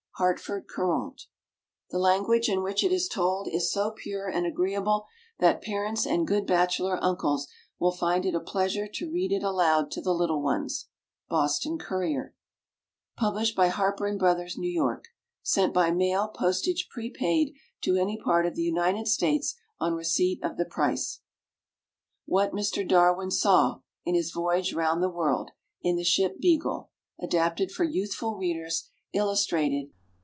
Hartford Courant. The language in which it is told is so pure and agreeable, that parents and good bachelor uncles will find it a pleasure to read it aloud to the little ones. Boston Courier. Published by HARPER & BROTHERS, N. Y. Sent by mail, postage prepaid, to any part of the United States, on receipt of the price. WHAT MR. DARWIN SAW In His Voyage Round the World in the Ship "Beagle." ADAPTED FOR YOUTHFUL READERS. Illustrated.